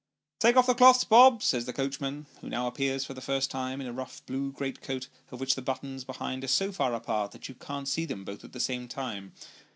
" Take off the cloths, Bob," says the coachman, who now appears for the first time, in a rough blue great coat, of which the buttons behind are so far apart, that you can't see them both at the same time.